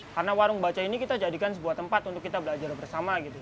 karena warung baca ini kita jadikan sebuah tempat untuk kita belajar bersama